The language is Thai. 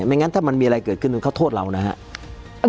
งั้นถ้ามันมีอะไรเกิดขึ้นเขาโทษเรานะครับ